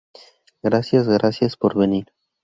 gracias. gracias por venir.